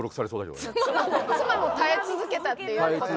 妻も耐え続けたっていう事で。